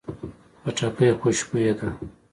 خټکی خوشبویه ده.